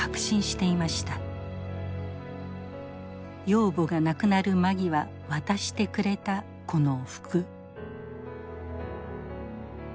養母が亡くなる間際渡してくれたこの服。